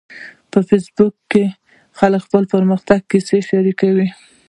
په فېسبوک کې خلک د خپل پرمختګ کیسې شریکوي